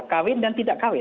kawin dan tidak kawin